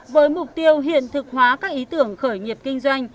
với mục tiêu hiện thực hóa các ý tưởng khởi nghiệp kinh doanh